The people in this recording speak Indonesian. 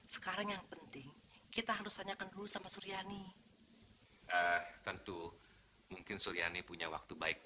sekarang yang penting kita harus tanyakan dulu sama suryani c watching